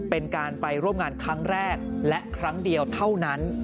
เป็นการไปร่วมงานครั้งแรกและครั้งเดียวเท่านั้น